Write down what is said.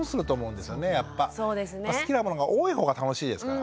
好きなものが多いほうが楽しいですから。